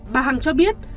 bà hằng cho biết